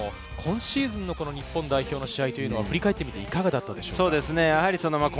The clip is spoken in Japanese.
今シーズンの日本代表の試合、振り返っていかがでしたか？